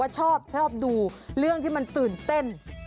ชอบชอบดูเรื่องที่มันตื่นเต้น